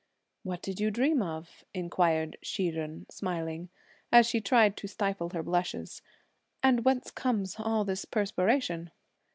"What did you dream of?" inquired Hsi Jen, smiling, as she tried to stifle her blushes, "and whence comes all this perspiration?"